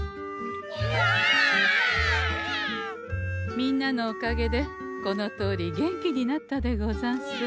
みんなのおかげでこのとおり元気になったでござんす。